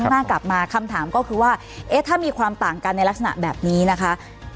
หน้ากลับมาคำถามก็คือว่าเอ๊ะถ้ามีความต่างกันในลักษณะแบบนี้นะคะ